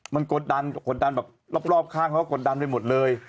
มันกดดันกดดันแบบรอบข้างเขาก็กดดันไปหมดเลย